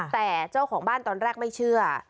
แต่เจ้าของบ้านตอนแรกไม่เชื่อ